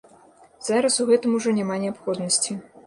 Зараз у гэтым ужо няма неабходнасці.